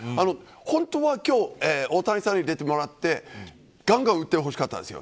本当は今日大谷さんに出てもらってがんがん打ってほしかったんですよ。